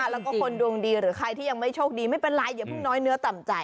แล้วก็คนดวงดีหรือใครที่ยังไม่โชคดีไม่เป็นไรอย่าเพิ่งน้อยเนื้อต่ำใจ